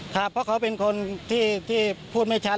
ครับเพราะเขาเป็นคนที่พูดไม่ชัด